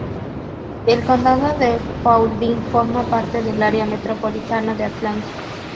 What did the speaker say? El condado de Paulding forma parte del área metropolitana de Atlanta.